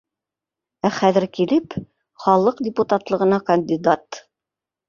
Ә хәҙер килеп, халыҡ депутатлығына кандидат